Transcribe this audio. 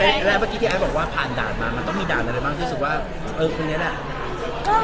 แรกเมื่อกี้ที่ไอซ์บอกว่าผ่านด่านมามันต้องมีด่านอะไรบ้างที่รู้สึกว่าเออคนนี้แหละ